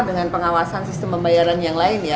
dengan pengawasan sistem pembayaran yang lain ya